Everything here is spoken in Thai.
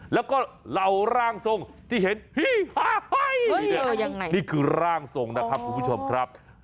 แล้วก็เหล่าร่างทรงที่เห็นนี่คือร่างทรงนะครับคุณผู้ชมครับ